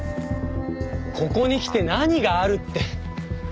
ここに来て何があるって。